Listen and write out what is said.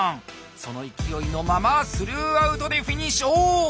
その勢いのままスルーアウトでフィニッお！